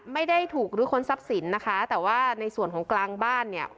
ไม่ได้ถูกหรือค้นทรัพย์สินนะคะแต่ว่าในส่วนของกลางบ้านเนี่ย